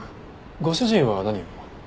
ご主人は何を？